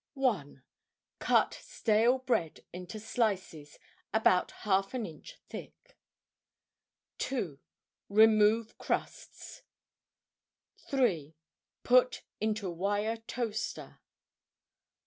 1. Cut stale bread into slices, about ½ inch thick. 2. Remove crusts. 3. Put into wire toaster.